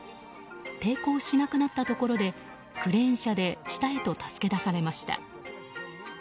抵抗しなくなったところでクレーン車で下へと助け出されました。